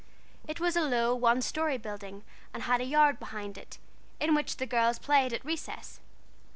It was a low, one story building and had a yard behind it, in which the girls played at recess.